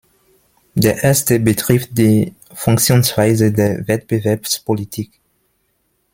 Der Erste betrifft die Funktionsweise der Wettbewerbspolitik.